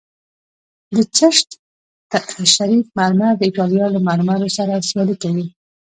د چشت شریف مرمر د ایټالیا له مرمرو سره سیالي کوي